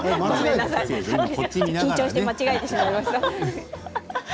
緊張して間違えてしまいました。